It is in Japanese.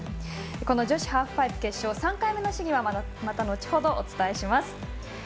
女子ハーフパイプ決勝３回目の試技はまた後ほどお伝えします。